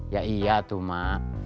ya iya tuh mak